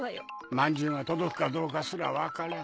まんじゅうが届くかどうかすら分からん。